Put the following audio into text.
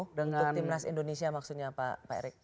untuk timnas indonesia maksudnya pak erick